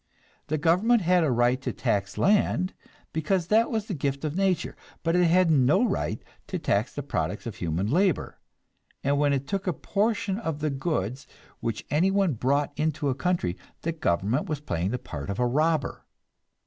The government had a right to tax land, because that was the gift of nature, but it had no right to tax the products of human labor, and when it took a portion of the goods which anyone brought into a country, the government was playing the part of a robber.